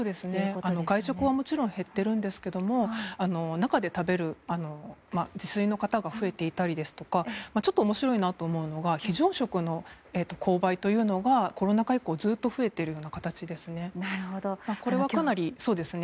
外食はもちろん減っているんですが中で食べる自炊の方が増えていたりですとかちょっと面白いと思うのが非常食の購買がコロナ禍以降ずっと増えている形ですね。